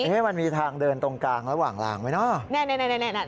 มันมีทางเดินตรงกลางระหว่างลางไหมเนาะ